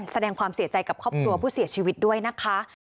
แสดงความเสียใจกับครอบครัวผู้เสียชีวิตด้วยนะคะ